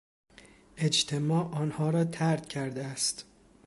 اجتماع آنها را طرد کرده است.